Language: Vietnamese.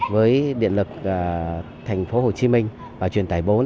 với điện lực tp hcm và truyền tải bốn